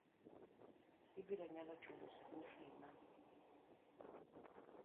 Ibiro nyalo chulo skul fii maka?